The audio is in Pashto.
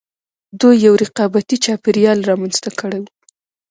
دوی یو رقابتي چاپېریال رامنځته کړی و